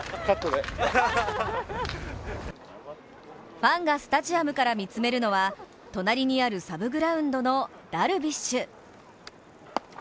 ファンがスタジアムから見つめるのは隣にあるサブグラウンドのダルビッシュ。